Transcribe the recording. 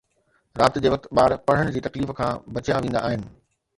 رات جي وقت، ٻار پڙهڻ جي تڪليف کان بچيا ويندا آهن